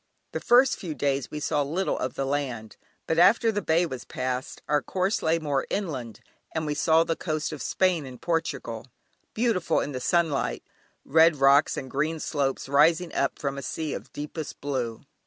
The first few days we saw little of the land, but after the Bay was passed, our course lay more inland, and we saw the coast of Spain and Portugal, beautiful in the sunlight, red rocks and green slopes rising up from a sea of deepest blue.